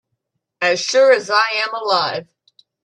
As sure as I am alive